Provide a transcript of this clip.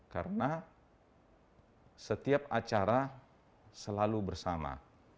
karena setiap acara selalu bersama